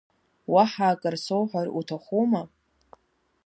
Уаҳа акыр соуҳәар уҭахума?